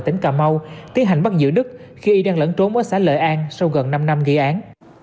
tỉnh cà mau tiến hành bắt giữ đức khi y đang lẫn trốn ở xã lợi an sau gần năm năm gây án